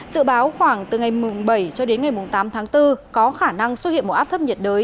dự báo khoảng từ ngày bảy cho đến ngày tám tháng bốn có khả năng xuất hiện một áp thấp nhiệt đới